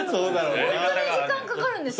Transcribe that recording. ホントに時間かかるんですよ。